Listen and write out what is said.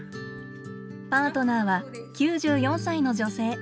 パートナーは９４歳の女性。